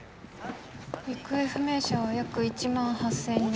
行方不明者は約１万８，０００人。